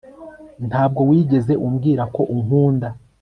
Ntabwo wigeze umbwira ko unkunda